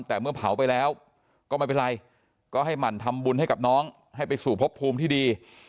แต่เมื่อเผาไปแล้วก็ไม่เป็นไรก็ให้หมั่นทำบุญให้กับน้องให้ไปสู่พบภูมิที่ดี